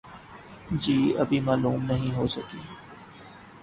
جہ ابھی معلوم نہیں ہو سکی